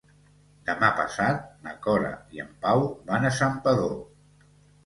Demà passat na Cora i en Pau van a Santpedor.